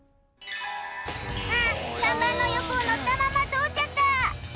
あっ看板の横を乗ったまま通っちゃった！